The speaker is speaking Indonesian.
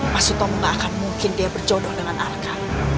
mas utomo gak akan mungkin dia berjodoh dengan alka